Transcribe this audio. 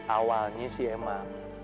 awalnya sih emang